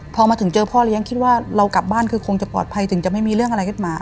พอมาถึงเจอพ่อเลี้ยงคิดว่าเรากลับบ้านคือคงจะปลอดภัยถึงจะไม่มีเรื่องอะไรขึ้นมา